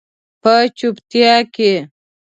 په چوپتیا کې